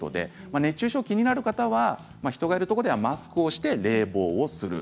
熱中症が気になる方は人がいるところではマスクをして冷房をする。